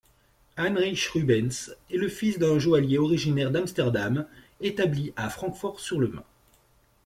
Heinrich Rubens est le fils d'un joaillier originaire d’Amsterdam, établi à Francfort-sur-le-Main.